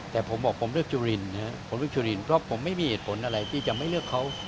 แต่ผมบอกผมเลือกจุลินนะครับผมเลือกจุลินเพราะผมไม่มีเหตุผลอะไรที่จะไม่เลือกเขา